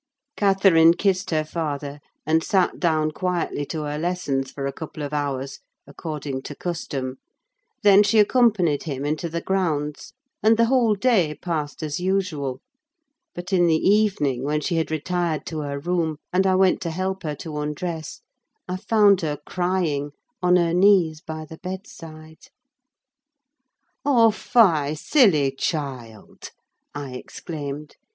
Catherine kissed her father, and sat down quietly to her lessons for a couple of hours, according to custom; then she accompanied him into the grounds, and the whole day passed as usual: but in the evening, when she had retired to her room, and I went to help her to undress, I found her crying, on her knees by the bedside. "Oh, fie, silly child!" I exclaimed.